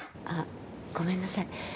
あごめんなさい。